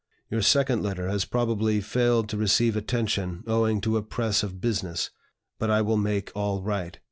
Your second letter has probably failed to receive attention owing to a press of business. But I will make all right.